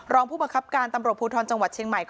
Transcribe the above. รองผู้บังคับการตำรวจภูทรจังหวัดเชียงใหม่